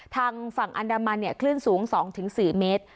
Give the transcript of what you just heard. ทางฝั่งอันดามันเนี่ยคลื่นสูงสองถึงสี่เมตร